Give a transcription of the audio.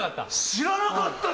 知らなかった？